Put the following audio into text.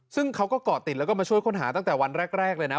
ซึ่งเขาก็เกาะติดแล้วก็มาช่วยค้นหาตั้งแต่วันแรกเลยนะ